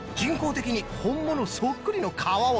本物そっくりの。